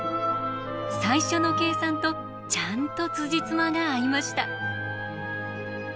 最初の計算とちゃんとつじつまが合いました。